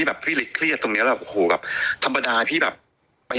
บอกว่าอย่าติดเลยพี่